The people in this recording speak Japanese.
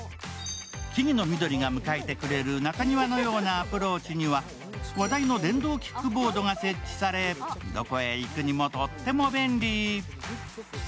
木々の緑が迎えてくれる中庭のようなアプローチには話題の電動キックボードが設置され、どこへ行くにも、とっても便利。